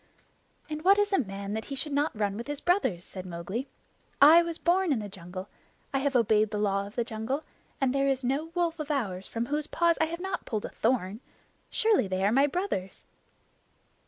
"And what is a man that he should not run with his brothers?" said Mowgli. "I was born in the jungle. I have obeyed the Law of the Jungle, and there is no wolf of ours from whose paws I have not pulled a thorn. Surely they are my brothers!"